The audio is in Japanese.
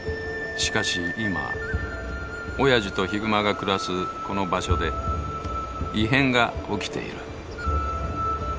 しかし今おやじとヒグマが暮らすこの場所で異変が起きている。